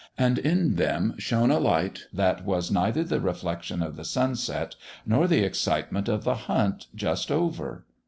And in them shone a light that was neither the reflection of the sunset, nor the excitement of the hunt just over.